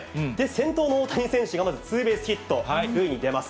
先頭の大谷選手がまずツーベースヒット、塁に出ます。